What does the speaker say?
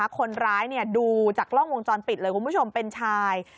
คนร้ายดูจากกล้องวงจรปิดเลยคุณผู้ชมเป็นชาย